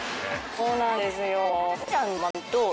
そうなんですよ。